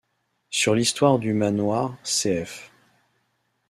Sur l'histoire du manoir, cf.